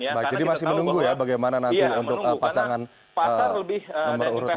jadi masih menunggu ya bagaimana nanti untuk pasangan nomor urut dua ini